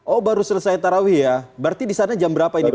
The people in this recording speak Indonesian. oh baru selesai tarawih ya berarti di sana jam berapa ini pak